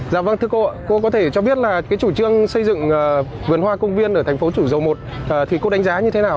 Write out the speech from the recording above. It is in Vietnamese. dạ vâng thưa cô ạ cô có thể cho biết là cái chủ trương xây dựng vườn hoa công viên ở thành phố thủ dầu một thì cô đánh giá như thế nào ạ